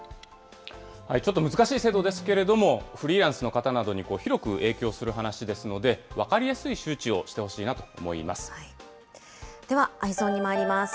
ちょっと難しい制度ですけれども、フリーランスの方などに広く影響する話ですので、分かりやすい周知をしてほしいなと思いまではＥｙｅｓｏｎにまいります。